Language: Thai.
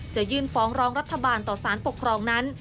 จะยื่นฟ้องร้องรัฐบาลต่อสารปกครองนั้น